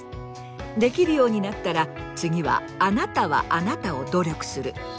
できるようになったら次は“あなたはあなた”を努力する。